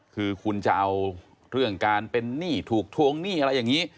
คือคุณจะเอาเรื่องการเป็นหนี้ถูกทวงหนี้อะไรอย่างนี้